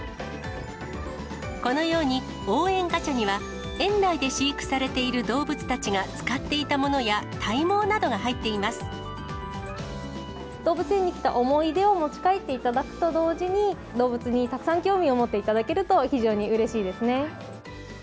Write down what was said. このように、応援ガチャには園内で飼育されている動物たちが使っていたものや動物園に来た思い出を持ち帰っていただくと同時に、動物にたくさん興味を持っていただけると、非常にうれしいですね。